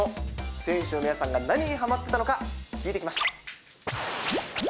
選手の皆さんが何にハマっていたのか聞いてきました。